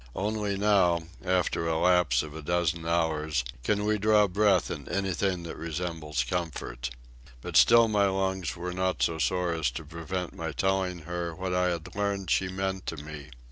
Only now, after a lapse of a dozen hours, can we draw breath in anything that resembles comfort. But still my lungs were not so sore as to prevent my telling her what I had learned she meant to me.